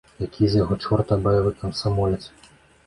Які з яго чорта баявы камсамолец?